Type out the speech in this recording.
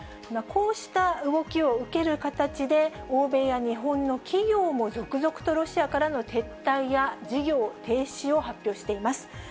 こうした動きを受ける形で、欧米や日本の企業も続々とロシアからの撤退や事業停止を発表しています。